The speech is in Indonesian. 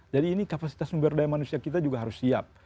jadi ini kapasitas sumber daya manusia kita juga harus siap